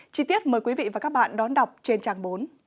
chi tiết mời quý vị và các bạn đón đọc trên trang bốn